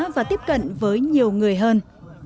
và tiếp cận với nhiều người hơn